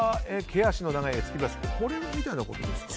毛足の長い柄付きブラシこれみたいなことですか。